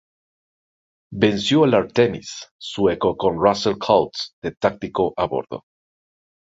Venció el "Artemis" sueco con Russell Coutts de táctico a bordo.